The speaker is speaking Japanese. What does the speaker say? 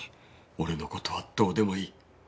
俺の事はどうでもいい。